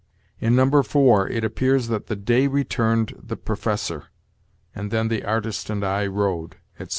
In No. 4, it appears that 'the day returned the professor,' and then 'the artist and I rowed,' etc."